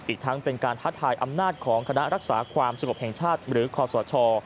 อีกทั้งเป็นการท้าทายอำนาจของคณะรักษาความสงบแห่งชาติหรือคอสช